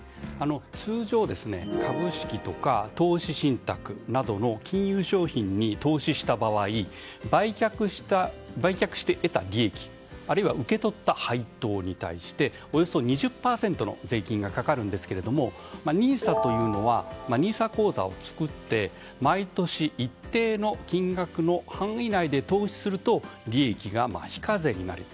通常、株式とか投資信託などの金融商品に投資した場合売却して得た利益あるいは受け取った配当に対しておよそ２０％の税金がかかるんですけれどもＮＩＳＡというのはＮＩＳＡ口座を作って毎年一定の金額の範囲内で投資すると利益が非課税になる。